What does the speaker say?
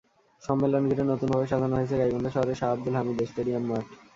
সম্মেলন ঘিরে নতুনভাবে সাজানো হয়েছে গাইবান্ধা শহরের শাহ আবদুল হামিদ স্টেডিয়াম মাঠ।